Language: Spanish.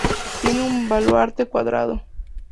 Tiene un baluarte cuadrado.